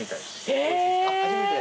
初めて？